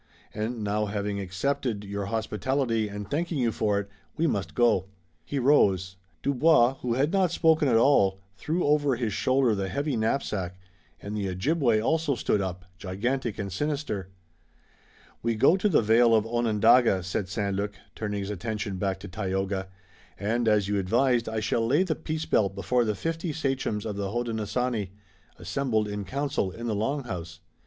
And now having accepted your hospitality and thanking you for it, we must go." He rose. Dubois, who had not spoken at all, threw over his shoulder the heavy knapsack, and the Ojibway also stood up, gigantic and sinister. "We go to the Vale of Onondaga," said St. Luc, turning his attention back to Tayoga, "and as you advised I shall lay the peace belt before the fifty sachems of the Hodenosaunee, assembled in council in the Long House."